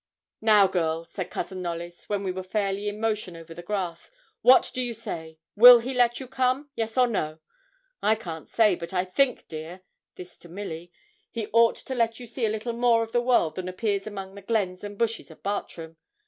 'Now, girls!' said Cousin Knollys, when we were fairly in motion over the grass, 'what do you say will he let you come yes or no? I can't say, but I think, dear,' this to Milly 'he ought to let you see a little more of the world than appears among the glens and bushes of Bartram.